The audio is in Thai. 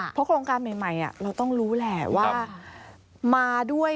เพราะโครงการใหม่เราต้องรู้แหละว่ามาด้วย